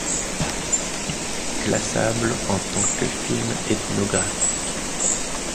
Il est classable en tant que film ethnographique.